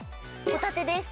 ホタテです。